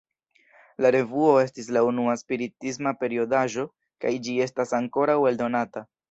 La revuo estis la unua spiritisma periodaĵo, kaj ĝi estas ankoraŭ eldonata.